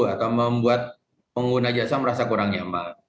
atau membuat pengguna jasa merasa kurang nyaman